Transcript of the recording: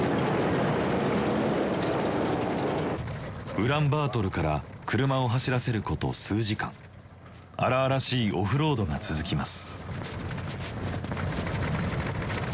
ウランバートルから車を走らせること数時間荒々しいオフロードが続きます。